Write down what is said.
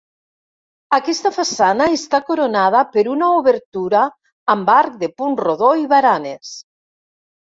Aquesta façana està coronada per una obertura amb arc de punt rodó i baranes.